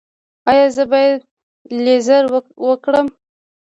ایا زه باید لیزر وکړم؟